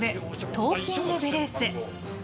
「トーキングブルース」。